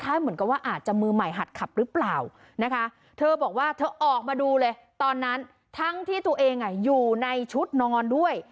เหมือนกับว่าอาจจะมือใหม่หัดขับหรือเปล่านะคะเธอบอกว่าเธอออกมาดูเลยตอนนั้นทั้งที่ตัวเองอยู่ในชุดนอนด้วย